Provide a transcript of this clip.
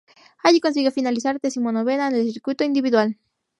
Allí consiguió finalizar decimonovena en el circuito individual.